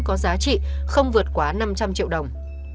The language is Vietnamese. có giá trị không vượt quá năm trăm linh triệu đồng